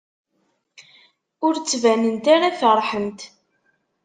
Ur ttbanent ara feṛḥent.